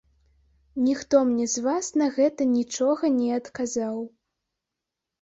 Ніхто мне з вас на гэта нічога не адказаў.